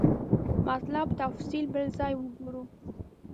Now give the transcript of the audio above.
مطلب تفصیل بل ځای وګورو.